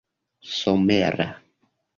somera